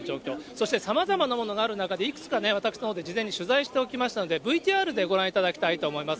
そしてさまざまなものがある中で、いくつかね、私の方で事前に取材しておきましたので、ＶＴＲでご覧いただきたいと思います。